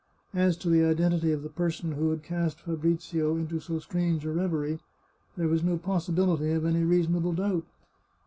As to the identity of the person who had cast Fabrizio into so strange a reverie, there was no possibility of any reasonable doubt.